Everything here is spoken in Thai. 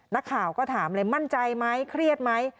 นักข่าวก็ถามเลยมั่นใจไหมเครียดไหม